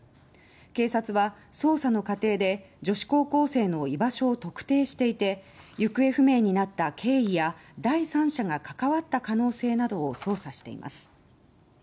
警察は捜査の過程で女子高校生の居場所を特定していて行方不明になった経緯や第三者が関わった可能性などを捜査しています。